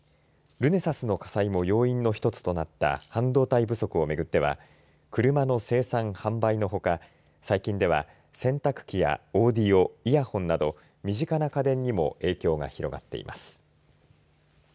ルネサスの火災の要因の一つとなった半導体不足をめぐっては車の生産販売のほか最近では洗濯機やオーディオ、イヤホンなど身近な家電にも影響が広がっています。